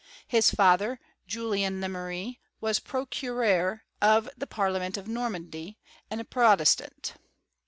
His father, Julian Lemery, was procureur of the Parliament of Normandy', and a pro testant.